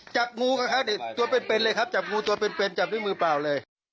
จับงูกันครับตัวเป็นเลยครับจับงูตัวเป็นจับด้วยมือเปล่าเลย